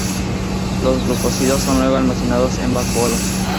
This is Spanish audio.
Los glucósidos son luego almacenados en vacuolas